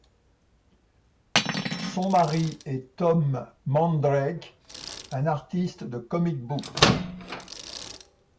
Son mari est Tom Mandrake, un artiste de comic books.